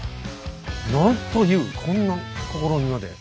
なんというこんな試みまで。